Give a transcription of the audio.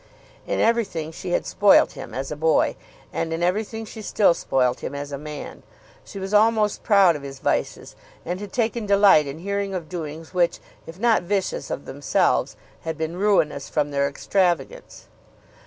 In everything she had spoilt him as a boy, and in everything she still spoilt him as a man. She was almost proud of his vices, and had taken delight in hearing of doings which if not vicious of themselves had been ruinous from their extravagance.